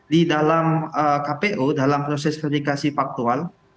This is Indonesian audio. di dalam kpu dalam proses verifikasi faktual